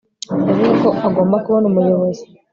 Yavuze ko agomba kubona umuyobozi